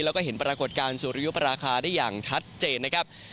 แล้วก็เห็นปรากฏการณ์สุริยุปราคาได้อย่างชัดเจนนะครับ